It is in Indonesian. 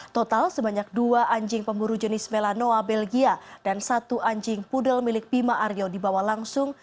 total sebanyak dua anjing pemburu jenis melanoa belgia dan satu anjing pudel milik bima aryo dibawa langsung